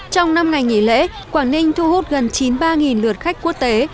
trong năm ngày nghỉ lễ quảng ninh thu hút gần chín mươi ba lượt khách quốc tế